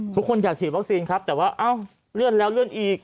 ทุกคนอยากฉีดวัคซีนครับแต่ว่าเอ้าเลื่อนแล้วเลื่อนอีก